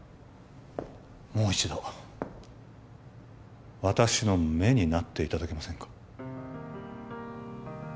もう一度私の目になっていただけませんか？